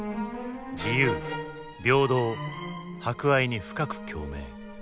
「自由・平等・博愛」に深く共鳴。